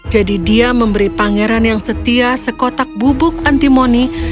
jadi dia memberi pangeran yang setia sekotak bubuk antimoni